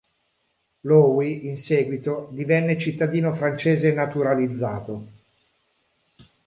Loewy in seguito divenne cittadino francese naturalizzato.